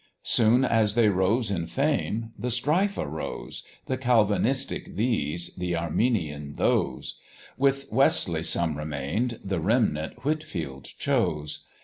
Soon as they rose in fame, the strife arose, The Calvinistic these, th' Arminian those; With Wesley some remain'd, the remnant Whitfield chose.